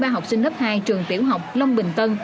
ba học sinh lớp hai trường tiểu học long bình tân